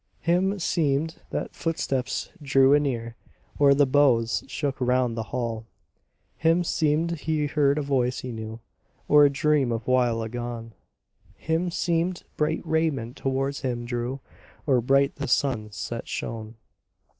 Him seemed that footsteps drew anear Or the boughs shook round the hall. Him seemed he heard a voice he knew Or a dream of while agone. Him seemed bright raiment towards him drew Or bright the sun set shone.